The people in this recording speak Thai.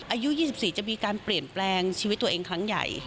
อายุ๒๔จะมีการเปลี่ยนแปลงชีวิตตัวเองครั้งใหญ่